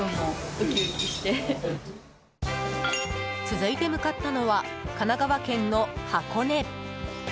続いて向かったのは神奈川県の箱根。